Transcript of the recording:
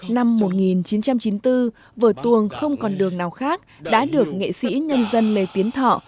năm một nghìn chín trăm chín mươi bốn vở tuồng không còn đường nào khác đã được nghệ sĩ nhân dân lê tiến thọ